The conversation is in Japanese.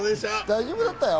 大丈夫だったよ。